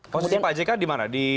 posisi pak jk di mana